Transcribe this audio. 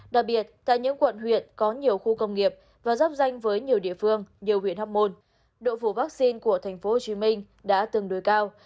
đặc biệt tại những quận huyện có nhiều khu công nghiệp và giáp danh với nhiều địa phương nhiều huyện hóc môn độ phủ vaccine của tp hcm đã tương đối cao